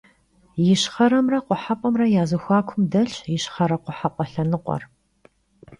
Yişxheremre khuhep'emre ya zexuakum delhş yişxhere - khuhep'e lhenıkhuer.